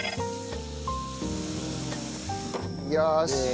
よし！